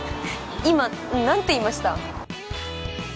今何て言いました？